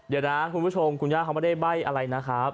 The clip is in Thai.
เดี๋ยวนะคุณผู้ชมคุณย่าเขาไม่ได้ใบ้อะไรนะครับ